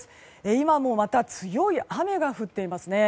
今もまた強い雨が降っていますね。